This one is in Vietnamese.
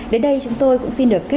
đến đây chúng tôi cũng xin được kết thúc